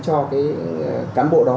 cho cái cán bộ đó